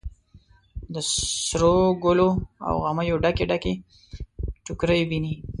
د سروګلو او غمیو ډکې، ډکې ټوکرۍ ویني